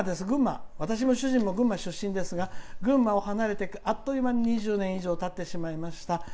私も主人も群馬出身ですが群馬を離れて２０年以上たってしまいました。